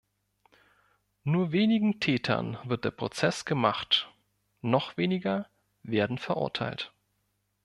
Nur wenigen Tätern wird der Prozess gemacht, noch weniger werden verurteilt.